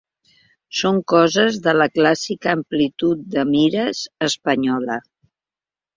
Són coses de la clàssica amplitud de mires espanyola.